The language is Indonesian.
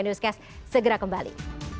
newscast segera kembali